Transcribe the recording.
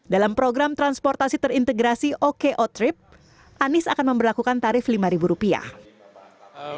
dalam program transportasi terintegrasi oko trip anies akan memperlakukan tarif lima rupiah